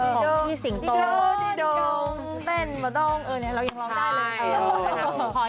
ของพี่สิงโตโดดิโดงต้นบด้องเออเนี่ยเรายังร้องได้เลย